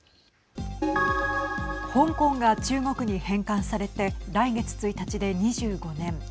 香港が中国に返還されて来月１日で２５年。